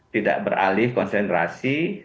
tidak beralih konsentrasi